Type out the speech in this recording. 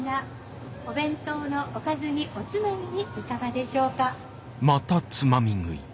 お弁当のおかずにおつまみにいかがでしょうか。